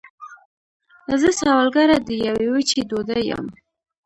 زه سوالګره د یوې وچې ډوډۍ یم